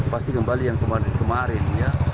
pasti kembali yang kemarin